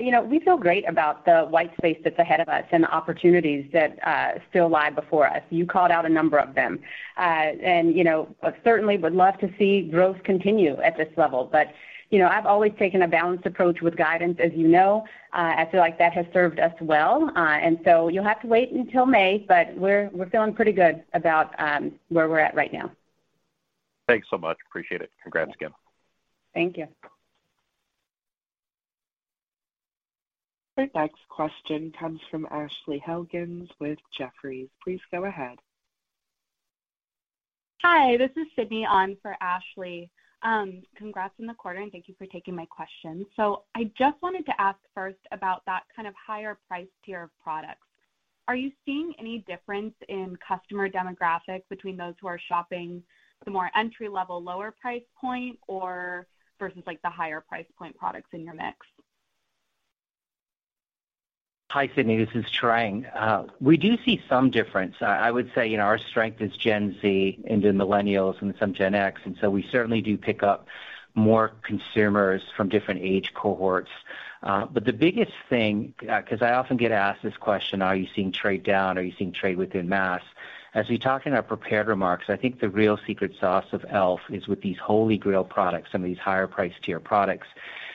You know, we feel great about the white space that's ahead of us and the opportunities that still lie before us. You called out a number of them. You know, certainly would love to see growth continue at this level. But, you know, I've always taken a balanced approach with guidance, as you know. So you'll have to wait until May, but we're feeling pretty good about where we're at right now. Thanks so much. Appreciate it. Congrats again. Thank you. Our next question comes from Ashley Helgans with Jefferies. Please go ahead. Hi, this is Sydney on for Ashley. Congrats on the quarter. Thank you for taking my question. I just wanted to ask first about that kind of higher price tier of products. Are you seeing any difference in customer demographics between those who are shopping the more entry-level lower price point or versus, like, the higher price point products in your mix? Hi, Sydney, this is Tarang. We do see some difference. I would say, you know, our strength is Gen Z into Millennials and some Gen X, and so we certainly do pick up more consumers from different age cohorts. The biggest thing, because I often get asked this question, "Are you seeing trade down? Are you seeing trade within mass?" As we talked in our prepared remarks, I think the real secret sauce of e.l.f. is with these Holy Grail products, some of these higher price tier products.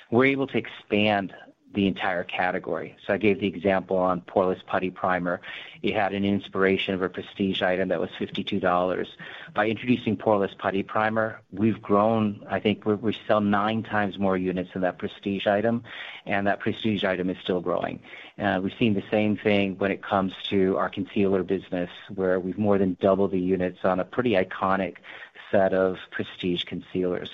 We're able to expand the entire category. I gave the example on Poreless Putty Primer. It had an inspiration of a prestige item that was $52. By introducing Poreless Putty Primer, we've grown. I think we sell 9 times more units of that prestige item, and that prestige item is still growing. We've seen the same thing when it comes to our concealer business, where we've more than doubled the units on a pretty iconic set of prestige concealers.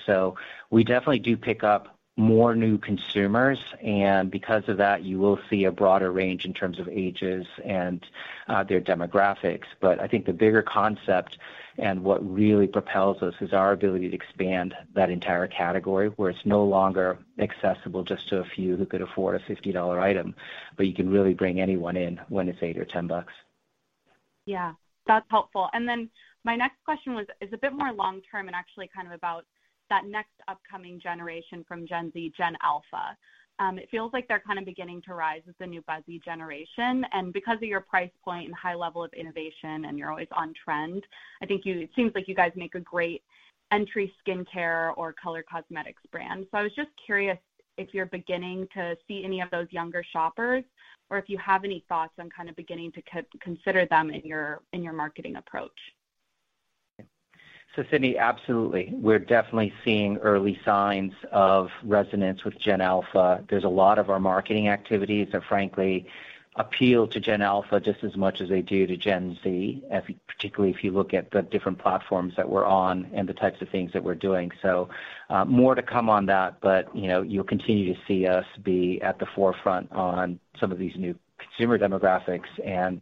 We definitely do pick up more new consumers, and because of that, you will see a broader range in terms of ages and their demographics. I think the bigger concept and what really propels us is our ability to expand that entire category, where it's no longer accessible just to a few who could afford a $50 item, but you can really bring anyone in when it's $8 or $10 bucks. Yeah. That's helpful. My next question is a bit more long term and actually kind of about that next upcoming generation from Gen Z, Gen Alpha. It feels like they're kind of beginning to rise as the new buzzy generation. Because of your price point and high level of innovation and you're always on trend, I think it seems like you guys make a great entry skincare or color cosmetics brand. I was just curious if you're beginning to see any of those younger shoppers or if you have any thoughts on kind of beginning to consider them in your, in your marketing approach. Sydney, absolutely. We're definitely seeing early signs of resonance with Gen Alpha. There's a lot of our marketing activities that frankly appeal to Gen Alpha just as much as they do to Gen Z, particularly if you look at the different platforms that we're on and the types of things that we're doing. More to come on that, but, you know, you'll continue to see us be at the forefront on some of these new consumer demographics and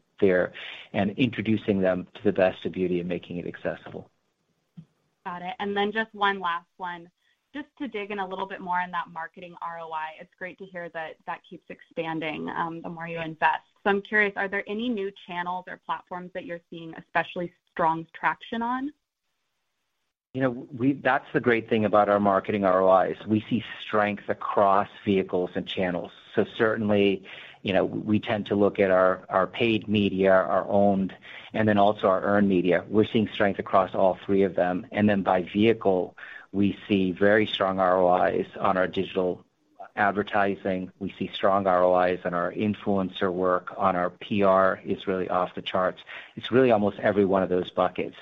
introducing them to the best of beauty and making it accessible. Got it. Just 1 last one, just to dig in a little bit more on that marketing ROI. It's great to hear that that keeps expanding, the more you invest. I'm curious, are there any new channels or platforms that you're seeing especially strong traction on? You know, that's the great thing about our marketing ROIs. We see strengths across vehicles and channels. Certainly, you know, we tend to look at our paid media, our owned, and then also our earned media. We're seeing strength across all 3 of them. By vehicle, we see very strong ROIs on our digital advertising. We see strong ROIs on our influencer work, on our PR is really off the charts. It's really almost every 1 of those buckets.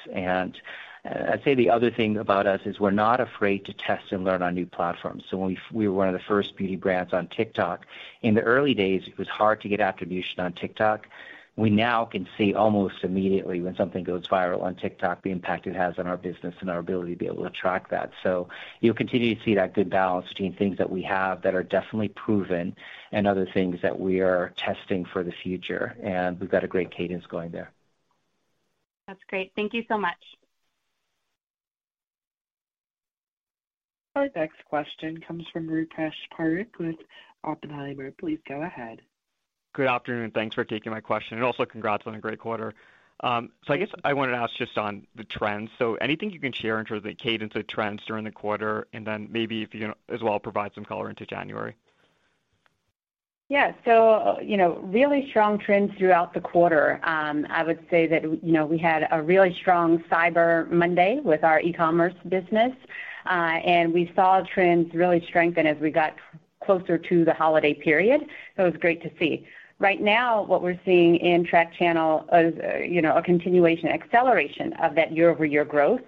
I'd say the other thing about us is we're not afraid to test and learn on new platforms. When we were 1 of the first beauty brands on TikTok. In the early days, it was hard to get attribution on TikTok. We now can see almost immediately when something goes viral on TikTok, the impact it has on our business and our ability to be able to track that. You'll continue to see that good balance between things that we have that are definitely proven and other things that we are testing for the future, and we've got a great cadence going there. That's great. Thank you so much. Our next question comes from Rupesh Parikh with Oppenheimer. Please go ahead. Good afternoon. Thanks for taking my question. Also congrats on a great quarter. I guess I wanted to ask just on the trends. Anything you can share in terms of the cadence of trends during the quarter, and then maybe if you as well provide some color into January. Yeah. You know, really strong trends throughout the quarter. I would say that, you know, we had a really strong Cyber Monday with our e-commerce business, and we saw trends really strengthen as we got closer to the holiday period. It was great to see. Right now, what we're seeing in track channel is, you know, a continuation acceleration of that year-over-year growth.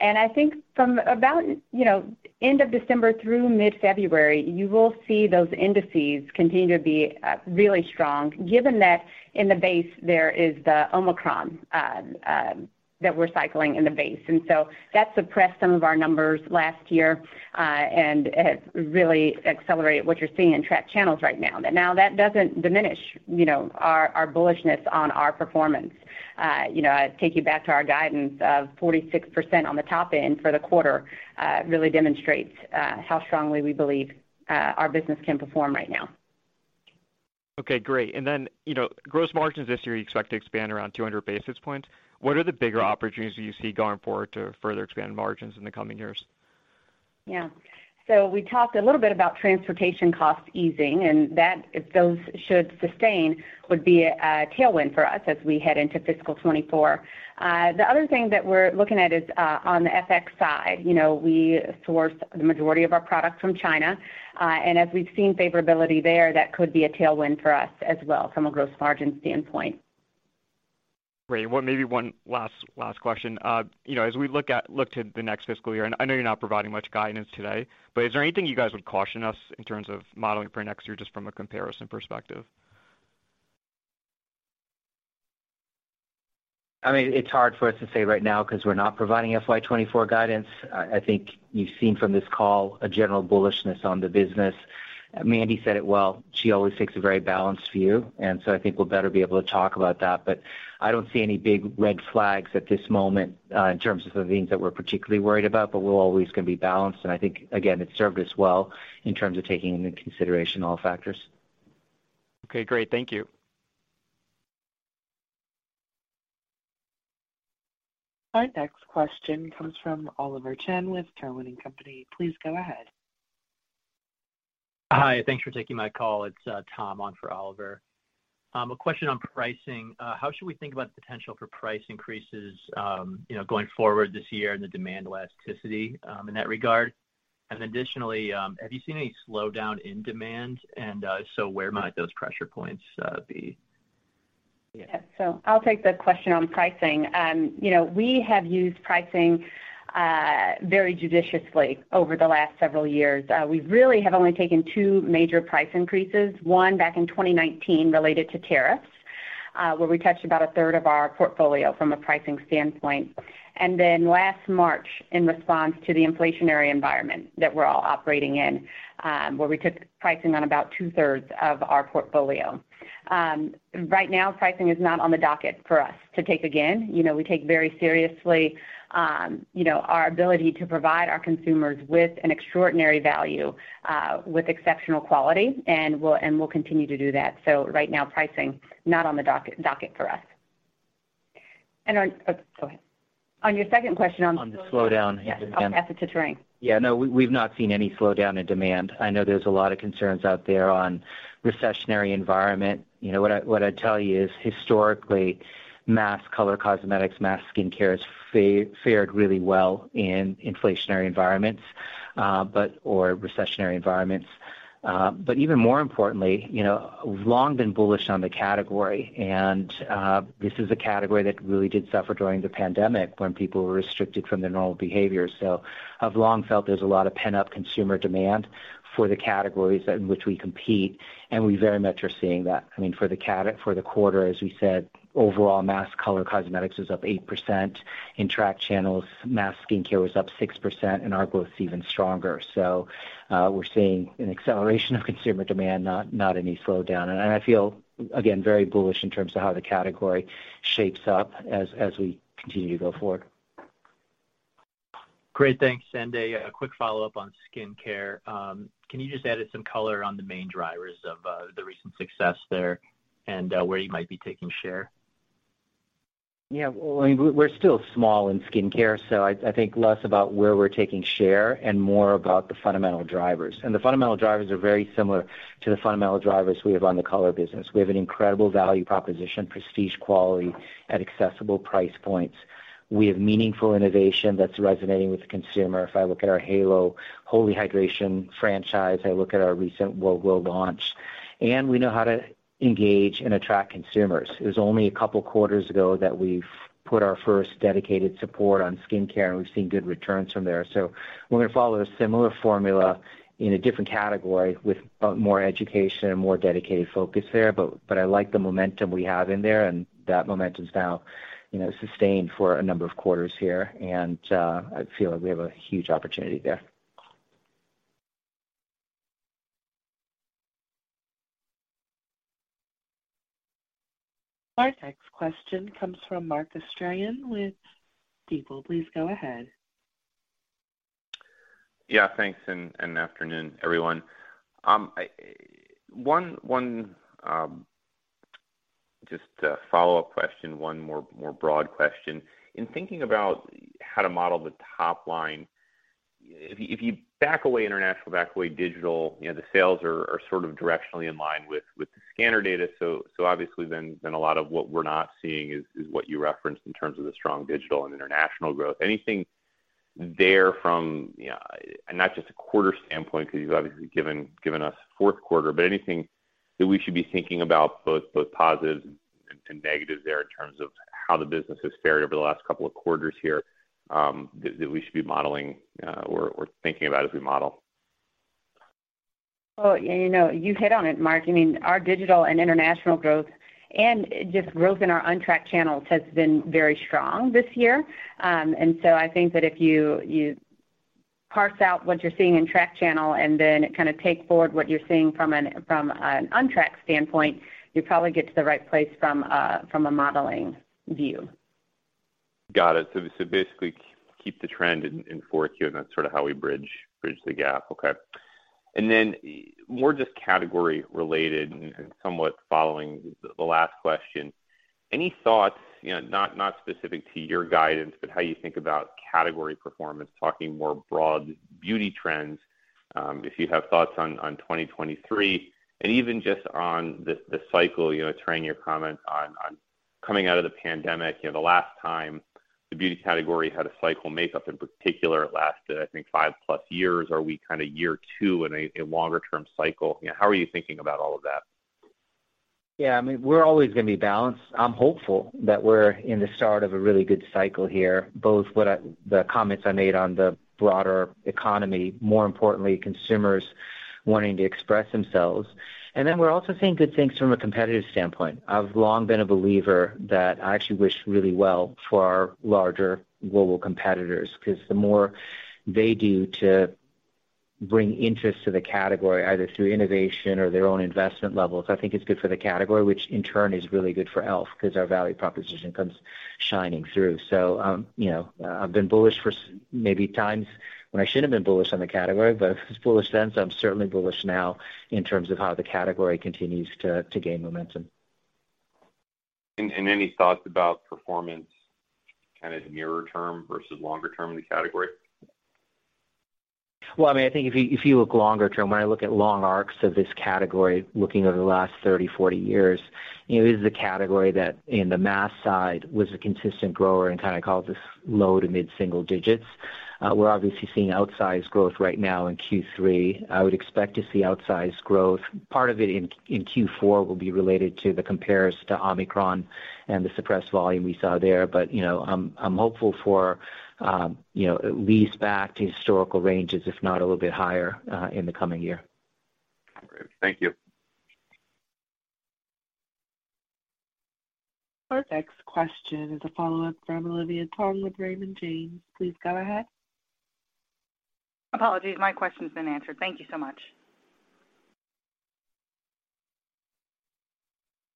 I think from about, you know, end of December through mid-February, you will see those indices continue to be really strong. Given that in the base there is the Omicron that we're cycling in the base. That suppressed some of our numbers last year, and has really accelerated what you're seeing in track channels right now. That doesn't diminish, you know, our bullishness on our performance. You know, I take you back to our guidance of 46% on the top end for the quarter, really demonstrates how strongly we believe our business can perform right now. Okay, great. Then, you know, gross margins this year, you expect to expand around 200 basis points. What are the bigger opportunities you see going forward to further expand margins in the coming years? We talked a little bit about transportation costs easing, and that, if those should sustain, would be a tailwind for us as we head into fiscal 2024. The other thing that we're looking at is on the FX side. You know, we source the majority of our products from China, and as we've seen favorability there, that could be a tailwind for us as well from a gross margin standpoint. Great. Maybe 1 last question. You know, as we look to the next fiscal year, and I know you're not providing much guidance today, but is there anything you guys would caution us in terms of modeling for next year, just from a comparison perspective? I mean, it's hard for us to say right now because we're not providing FY 24 guidance. I think you've seen from this call a general bullishness on the business. Mandy said it well. She always takes a very balanced view. I think we'll better be able to talk about that. I don't see any big red flags at this moment in terms of the things that we're particularly worried about. We're always going to be balanced. I think, again, it served us well in terms of taking into consideration all factors. Okay, great. Thank you. Our next question comes from Oliver Chen with TD Cowen. Please go ahead. Hi, thanks for taking my call. It's Tom on for Oliver. A question on pricing. How should we think about the potential for price increases, you know, going forward this year and the demand elasticity in that regard? Additionally, have you seen any slowdown in demand? If so, where might those pressure points be? Yeah. I'll take the question on pricing. You know, we have used pricing very judiciously over the last several years. We really have only taken 2 major price increases, 1 back in 2019 related to tariffs, where we touched about 1/3 of our portfolio from a pricing standpoint. Last March, in response to the inflationary environment that we're all operating in, where we took pricing on about 2/3 of our portfolio. Right now, pricing is not on the docket for us to take again. You know, we take very seriously, you know, our ability to provide our consumers with an extraordinary value, with exceptional quality, and we'll continue to do that. Right now, pricing, not on the docket for us. Oh, go ahead. On your 2nd question on- On the slowdown in demand. Yes. I'll pass it to Tarang Amin. Yeah, no, we've not seen any slowdown in demand. I know there's a lot of concerns out there on recessionary environment. You know, what I'd tell you is, historically, mass color cosmetics, mass skincare has fared really well in inflationary environments, or recessionary environments. Even more importantly, you know, we've long been bullish on the category, this is a category that really did suffer during the pandemic when people were restricted from their normal behavior. I've long felt there's a lot of pent-up consumer demand for the categories in which we compete, and we very much are seeing that. I mean, for the quarter, as we said, overall mass color cosmetics was up 8%. In track channels, mass skincare was up 6% and are both even stronger. We're seeing an acceleration of consumer demand, not any slowdown. I feel, again, very bullish in terms of how the category shapes up as we continue to go forward. Great. Thanks. A quick follow-up on skincare. Can you just add some color on the main drivers of the recent success there and where you might be taking share? Yeah. Well, I mean, we're still small in skincare, so I think less about where we're taking share and more about the fundamental drivers. The fundamental drivers are very similar to the fundamental drivers we have on the color business. We have an incredible value proposition, prestige quality at accessible price points. We have meaningful innovation that's resonating with the consumer. If I look at our Halo whole hydration franchise, I look at our recent global launch. We know how to engage and attract consumers. It was only a couple quarters ago that we've put our first dedicated support on skincare, and we've seen good returns from there. We're gonna follow a similar formula in a different category with more education and more dedicated focus there, but I like the momentum we have in there, and that momentum's now, you know, sustained for a number of quarters here, and I feel like we have a huge opportunity there. Our next question comes from Mark Astrachan with Stifel. Please go ahead. Yeah. Thanks. Afternoon, everyone. 1 just a follow-up question, 1 more broad question. In thinking about how to model the top line, if you back away international, back away digital, you know, the sales are sort of directionally in line with the scanner data, so obviously then a lot of what we're not seeing is what you referenced in terms of the strong digital and international growth. Anything there from, you know, and not just a quarter standpoint because you've obviously given us Q4, but anything that we should be thinking about both positives and negatives there in terms of how the business has fared over the last couple of quarters here, that we should be modeling or thinking about as we model? You know, you hit on it, Mark. I mean, our digital and international growth and just growth in our untracked channels has been very strong this year. I think that if you parse out what you're seeing in tracked channel and then kind of take forward what you're seeing from an untracked standpoint, you probably get to the right place from a modeling view. Got it. Basically keep the trend in Q4, and that's sorta how we bridge the gap. Okay. More just category related and somewhat following the last question. Any thoughts, you know, not specific to your guidance, but how you think about category performance, talking more broad beauty trends, if you have thoughts on 2023 and even just on the cycle, you know, Tarang, your comment on coming out of the pandemic. You know, the last time the beauty category had a cycle makeup in particular, it lasted, I think, 5+ years. Are we kinda year 2 in a longer-term cycle? You know, how are you thinking about all of that? I mean, we're always gonna be balanced. I'm hopeful that we're in the start of a really good cycle here, both the comments I made on the broader economy, more importantly, consumers wanting to express themselves. We're also seeing good things from a competitive standpoint. I've long been a believer that I actually wish really well for our larger global competitors, 'cause the more they do to bring interest to the category, either through innovation or their own investment levels, I think it's good for the category, which in turn is really good for e.l.f., 'cause our value proposition comes shining through. You know, I've been bullish for maybe times when I shouldn't have been bullish on the category, but if it's bullish then, I'm certainly bullish now in terms of how the category continues to gain momentum. Any thoughts about performance kind of nearer term versus longer term in the category? Well, I mean, I think if you look longer term, when I look at long arcs of this category, looking over the last 30, 40 years, you know, it is the category that in the mass side was a consistent grower and kinda called this low to mid-single digits. We're obviously seeing outsized growth right now in Q3. I would expect to see outsized growth. Part of it in Q4 will be related to the compares to Omicron and the suppressed volume we saw there. You know, I'm hopeful for, you know, at least back to historical ranges, if not a little bit higher in the coming year. Great. Thank you. Our next question is a follow-up from Olivia Tong with Raymond James. Please go ahead. Apologies. My question's been answered. Thank you so much.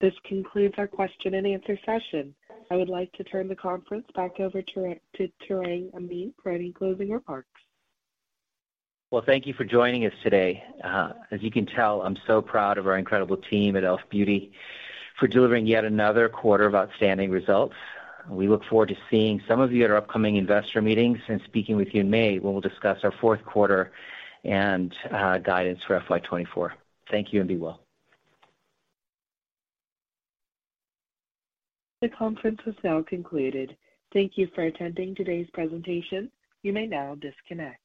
This concludes our question and answer session. I would like to turn the conference back over to Tarang Amin for any closing remarks. Well, thank you for joining us today. As you can tell, I'm so proud of our incredible team at e.l.f. Beauty for delivering yet another quarter of outstanding results. We look forward to seeing some of you at our upcoming investor meetings and speaking with you in May when we'll discuss our Q4 and guidance for FY 2024. Thank you, and be well. The conference is now concluded. Thank you for attending today's presentation. You may now disconnect.